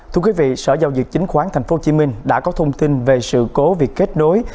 thưa quý vị sở giao dịch chính khoán tp hcm đã có thông tin về sự cố việc kết nối